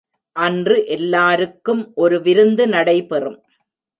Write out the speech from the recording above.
அன்று எல்லாருக்கும் ஒரு விருந்து நடைபெறும்.